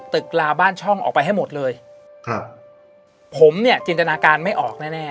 ลาบ้านช่องออกไปให้หมดเลยครับผมเนี่ยจินตนาการไม่ออกแน่แน่